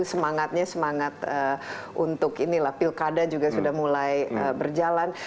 semangatnya semangat untuk inilah pilkada juga sudah mulai berjalan